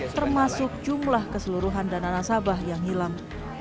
termasuk jumlah keseluruhan dana nasabah yang hilang